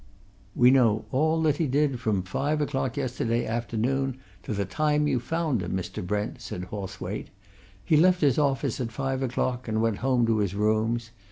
"We know all that he did from five o'clock yesterday afternoon to the time you found him, Mr. Brent," said Hawthwaite. "He left his office at five o'clock, and went home to his rooms.